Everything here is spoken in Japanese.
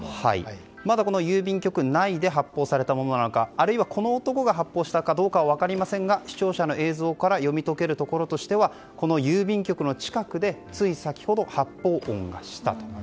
まだ郵便局内で発砲されたものなのかあるいはこの男が発砲したかどうかは分かりませんが視聴者の映像から読み解けるところとしてはこの郵便局の近くでつい先ほど発砲音がしたと。